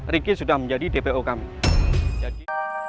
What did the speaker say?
riki sudah menjadi dpo kami